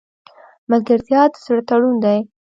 ملګرتیا د زړه تړون دی.